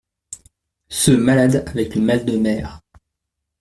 Ceux malades avec le mal de mer.